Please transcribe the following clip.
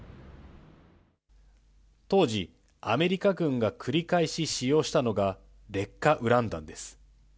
当時、アメリカ軍が繰り返し使用したのが、劣化ウラン弾です。